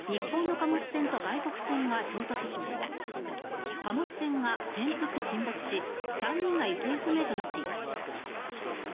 貨物船が転覆・沈没し３人が行方不明となっています。